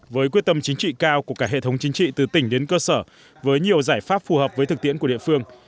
với quyết tâm chính trị cao của cả hệ thống chính trị từ tỉnh đến cơ sở với nhiều giải pháp phù hợp với thực tiễn của địa phương